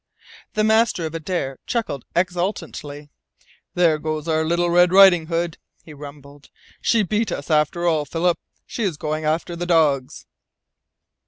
The master of Adare chuckled exultantly. "There goes our little Red Riding Hood!" he rumbled. "She beat us after all, Philip. She is going after the dogs!"